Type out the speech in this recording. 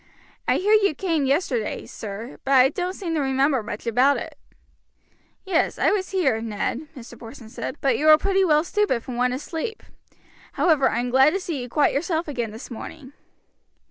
I hear you came yesterday, sir, but I don't seem to remember much about it." "Yes, I was here, Ned," Mr. Porson said, "but you were pretty well stupid from want of sleep. However, I am glad to see you quite yourself again this morning."